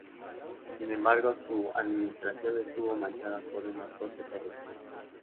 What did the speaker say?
Sin embargo, su administración estuvo manchada por una fuerte corrupción.